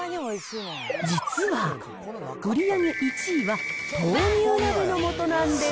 実は、売り上げ１位は豆乳鍋のもとなんです。